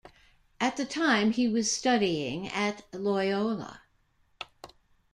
At the time, he was studying at Loyola.